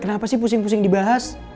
kenapa sih pusing pusing dibahas